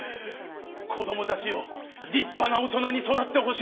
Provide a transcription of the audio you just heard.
子供たちよ立派な大人に育ってほしい。